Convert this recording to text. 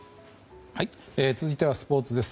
続いてはスポーツです。